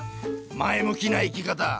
前向きな生き方！